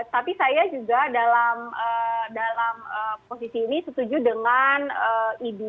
tapi saya juga dalam posisi ini setuju dengan idi